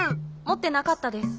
もってなかったです。